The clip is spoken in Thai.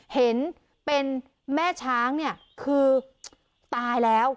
เห็นเป็นแม่ช้างเนี่ยคือตายแล้ว